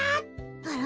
あら？